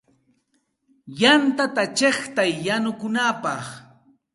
Yantata chiqtay yanukunapaq.